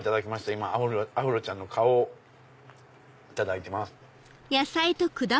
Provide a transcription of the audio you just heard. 今アフロちゃんの顔をいただいてます。